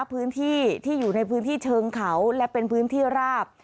พื้นที่ที่อยู่ในพื้นที่เชิงเขาและเป็นพื้นที่ราบ